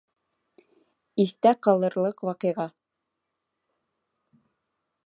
Иҫтә ҡалырлыҡ ваҡиға